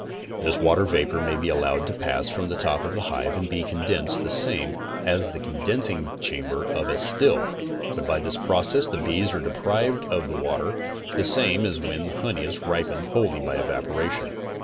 This water vapor may be allowed to pass from the top of the hive and be condensed the same as in the condensing chamber of a still, but by this process the bees are deprived of the water the same as when the honey is ripened wholly by evaporation.